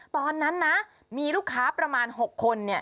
ตอนนั้นนะมีลูกค้าประมาณ๖คน